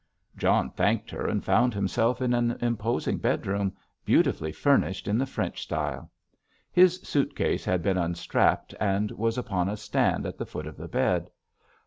John thanked her, and found himself in an imposing bedroom, beautifully furnished in the French style. His suit case had been unstrapped and was upon a stand at the foot of the bed.